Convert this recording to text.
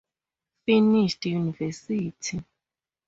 Finished university.